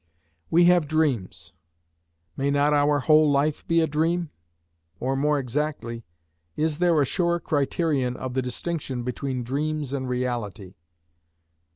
We have dreams; may not our whole life be a dream? or more exactly: is there a sure criterion of the distinction between dreams and reality?